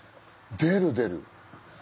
出る出る！